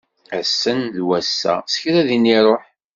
Ass n wass-a, s kra din iruḥ.